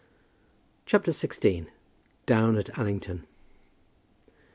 CHAPTER XVI. DOWN AT ALLINGTON.